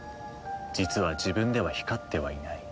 実は自分では光ってはいない。